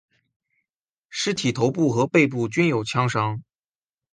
尸体头部和背部均有枪伤。